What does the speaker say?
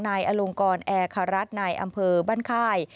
นายอลงกรแอร์คารัฐนายอำเภอบ้านค่าย